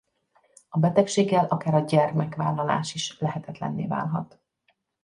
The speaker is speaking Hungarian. A betegséggel akár a gyermekvállalás is lehetetlenné válhat.